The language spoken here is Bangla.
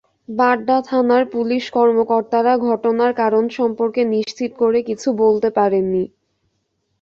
বাড্ডা থানার পুলিশ কর্মকর্তারা ঘটনার কারণ সম্পর্কে নিশ্চিত করে কিছু বলতে পারেননি।